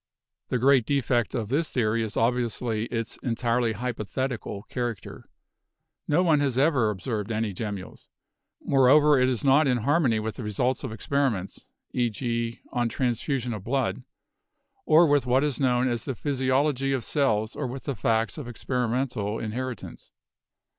The great defect of this theory is obviously its entirely hypothetical character — no one has ever observed any gemmules. Moreover, it is not in harmony with the re sults of experiments — e.g., on transfusion of blood — or with what is known of the physiology of cells or with the facts of experimental inheritance.